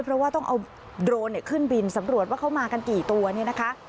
เพราะว่าต้องเอาโดรนขึ้นบินสำรวจว่าเขามากันกี่ตัวเนี่ยนะคะ